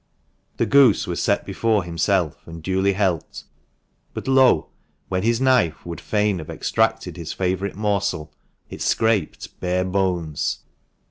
The goose was set before himself, and duly helped, but, lo ! when his knife would fain have extracted his favourite morsel it scraped bare bones.